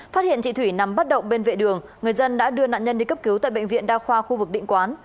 phát hiện chị thủy nằm bất động bên vệ đường người dân đã đưa nạn nhân đi cấp cứu tại bệnh viện đa khoa khu vực định quán